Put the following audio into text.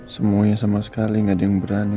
semuanya sama sekali nggak ada yang berani